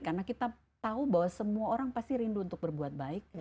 karena kita tahu bahwa semua orang pasti rindu untuk berbuat baik